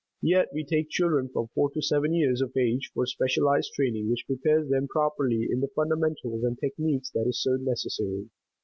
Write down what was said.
Yet we take children from four to seven years of age for specialized training which prepares them properly in the fundamentals and technique that is so necessary.